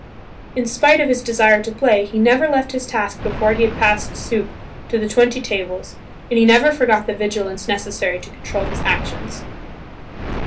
In spite of his desire to play he never left his task before he had passed soup to the twenty tables, and he never forgot the vigilance necessary to control his actions.